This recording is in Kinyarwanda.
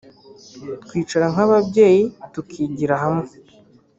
twicara nk’ababyeyi tukigira hamwe